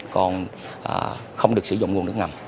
còn không được sử dụng nguồn nước ngầm